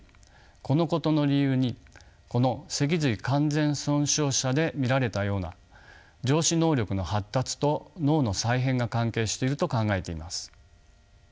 このことの理由にこの脊髄完全損傷者で見られたような上肢能力の発達と脳の再編が関係していると考えています。